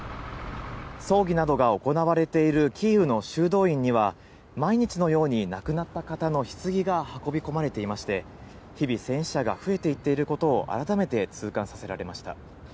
葬儀などが行われているキーウの修道院には、毎日のように、亡くなった方のひつぎが運び込まれていまして、日々、戦死者が増えていっていることを改めて痛感させられました。